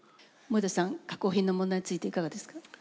盛田さん加工品の問題についていかがですか？